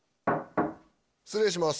・失礼します